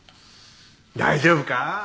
大丈夫か？